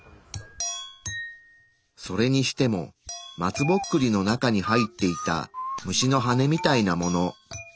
それにしても松ぼっくりの中に入っていた虫の羽みたいなもの。